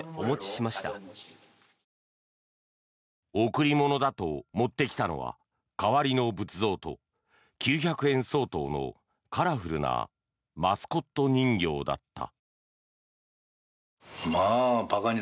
贈り物だと持ってきたのは代わりの仏像と９００円相当のカラフルなマスコット人形だった。